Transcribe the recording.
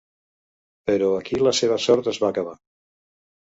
Però aquí la seva sort es va acabar.